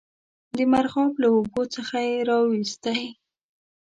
د مرغاب له اوبو څخه یې را وایستی.